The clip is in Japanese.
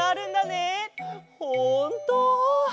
ほんと！